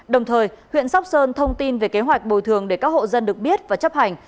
đồng thời huyện sóc sơn thông tin về kế hoạch bồi thường để các hộ dân được biết và chấp hành